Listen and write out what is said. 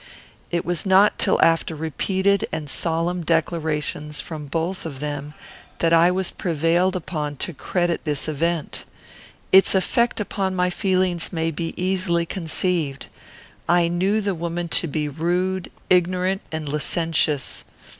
It was not till after repeated and solemn declarations from both of them that I was prevailed upon to credit this event. Its effect upon my feelings may be easily conceived. I knew the woman to be rude, ignorant, and licentious.